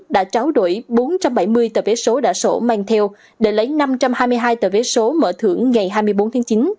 đã tráo đổi bốn trăm bảy mươi tờ vé số đã sổ mang theo để lấy năm trăm hai mươi hai tờ vé số mở thưởng ngày hai mươi bốn tháng chín